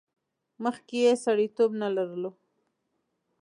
مخکې یې سړیتیوب نه لرلو.